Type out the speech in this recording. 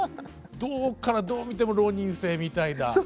どっからどう見ても浪人生みたいだ。